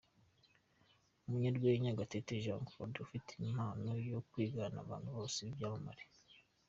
Umunyarwenya, Gatete Jean Claude afite impano yo kwigana abantu bose b'ibyamamare.